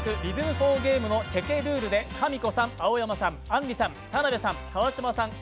４ゲームのチェケルールで田辺さん、あんりさん、田辺さん、川島さん